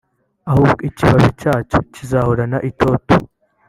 ahubwo ikibabi cyacyo kizahorana itoto”